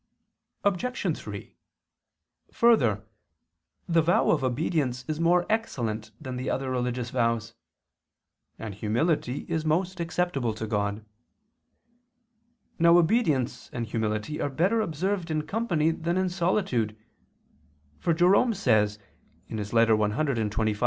Obj. 3: Further, the vow of obedience is more excellent than the other religious vows; and humility is most acceptable to God. Now obedience and humility are better observed in company than in solitude; for Jerome says (Ep. cxxv ad Rustic.